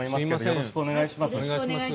よろしくお願いします。